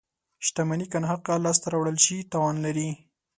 • شتمني که ناحقه لاسته راوړل شي، تاوان لري.